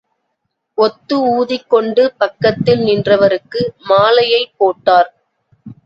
ஒத்து ஊதிக்கொண்டு பக்கத்தில் நின்றவருக்கு மாலையைப் போட்டார்.